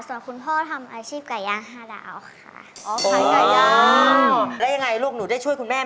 ส่วนคุณพ่อทำอาชีพไก่ย่าง๕ดาวค่ะ